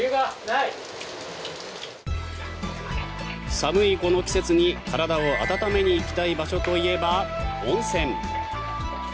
寒いこの季節に体を温めに行きたい場所といえば温泉。